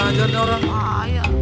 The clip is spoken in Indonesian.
gak boleh orang susun aja